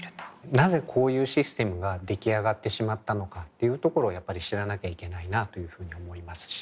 なぜこういうシステムが出来上がってしまったのかっていうところをやっぱり知らなきゃいけないなというふうに思いますし。